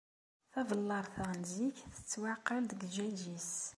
Tabellart-a n zik, tettwaɛqal deg ddjaj-is